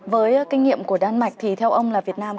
với kinh nghiệm của đan mạch thì theo ông là việt nam